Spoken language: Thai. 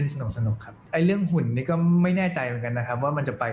ตกแซวเรื่องหุ่นได้เยอะมากเลยเคิร์นไหม